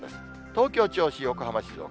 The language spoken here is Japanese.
東京、銚子、横浜、静岡。